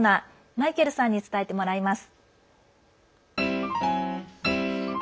マイケルさんに伝えてもらいます。